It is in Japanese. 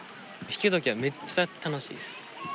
弾く時はめっちゃ楽しいです。